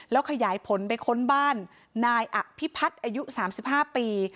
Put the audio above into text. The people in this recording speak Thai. แล้วขยายผลไปค้นบ้านนายอภิพัฒน์อายุ๓๕ปี